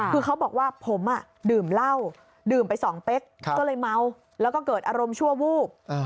คือเขาบอกว่าผมดื่มเหล้าดื่มไป๒เป๊กก็เลยเมาแล้วก็เกิดอารมณ์ชั่ววูบ